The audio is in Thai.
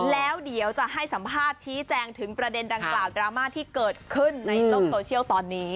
แล้วเดี๋ยวจะให้สัมภาษณ์ชี้แจงถึงประเด็นดังกล่าวดราม่าที่เกิดขึ้นในโลกโซเชียลตอนนี้